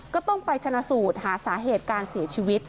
ก็ไปหาสาเหตุการเสียชีวิต